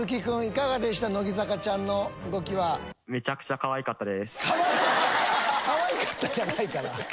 「かわいかった」じゃないから。